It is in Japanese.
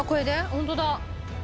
ホントだ。